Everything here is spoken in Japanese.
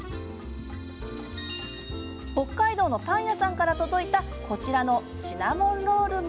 北海道のパン屋さんから届いたこちらのシナモンロールも。